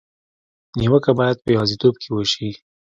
نیوکه باید په یوازېتوب کې وشي.